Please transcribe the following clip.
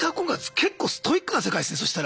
結構ストイックな世界っすねそしたら。